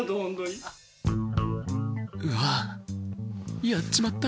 うわやっちまった。